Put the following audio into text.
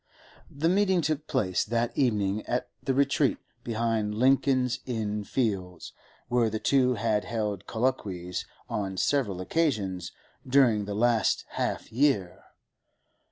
The meeting took place that evening at the retreat behind Lincoln's Inn Fields where the two had held colloquies on several occasions during the last half year.